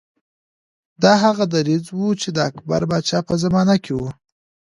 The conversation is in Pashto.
دا هغه دریځ و چې د اکبر پاچا په زمانه کې و.